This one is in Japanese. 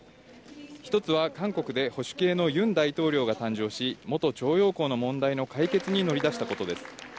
１つは韓国で保守系のユン大統領が誕生し、元徴用工の問題の解決に乗り出したことです。